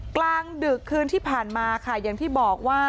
กลางดึกคืนที่ผ่านมาค่ะอย่างที่บอกว่า